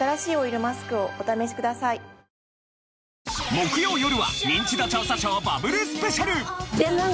木曜よるは『ニンチド調査ショー』バブルスペシャル。